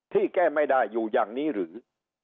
ที่แก้ไม่ได้อยู่อย่างนี้หรือ